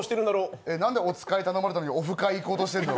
えっ、何でお使い頼まれたのに、オフ会行こうとしてるの？